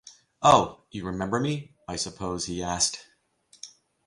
‘Oh — you remember me, I suppose?’ he asked.